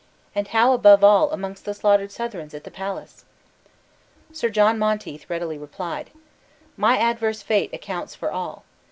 and how, above all, amongst the slaughtered Southrons at the palace?" Sir John Monteith readily replied: "My adverse fate accounts for all."